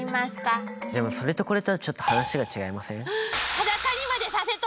でもそれとこれとはちょっと話が違いません？